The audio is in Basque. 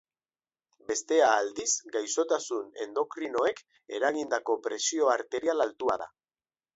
Bestea aldiz, gaixotasun endokrinoek erangindako presio arterial altua da.